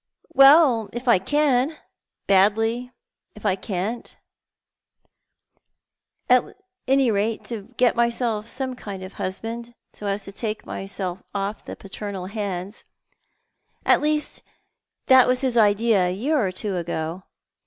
*' Well, if I can ; badly, if I can't ; at any rate to get myself some kind of a husband, so as to take myself off the paternal hands. At least, that ■was his idea a year or two ago.